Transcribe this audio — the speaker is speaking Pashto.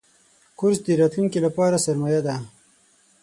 کورس د راتلونکي لپاره سرمایه ده.